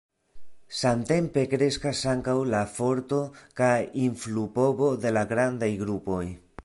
Samtempe kreskas ankaŭ la forto kaj influpovo de la grandaj grupoj.